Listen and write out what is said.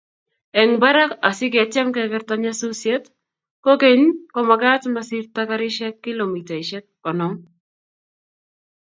eng barak asigetyem kegerta nyasusiet, kogeny komagaat masirtoi karishek kilomitaishek konom